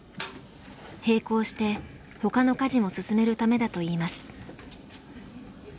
並行してほかの家事も進めるためだといいます。